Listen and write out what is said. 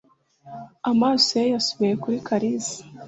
Amaso ye yasubiye kuri Kalisa.